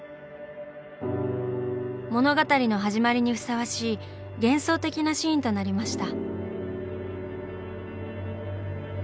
物語の始まりにふさわしい幻想的なシーンとなりました。